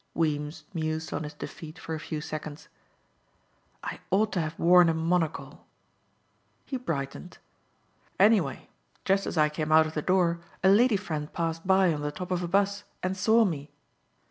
Weems mused on his defeat for a few seconds. "I ought to have worn a monocle." He brightened. "Anyway just as I came out of the door a lady friend passed by on the top of a 'bus and saw me.